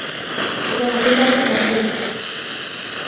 এটা নতুন ডায়লগ নাকি?